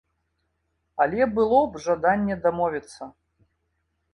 Але было б жаданне дамовіцца.